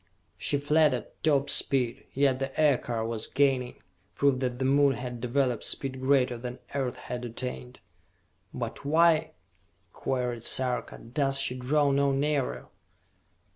She fled at top speed, yet the Aircar was gaining, proof that the Moon had developed speed greater than Earth had attained. "But why," queried Sarka, "does she draw no nearer?"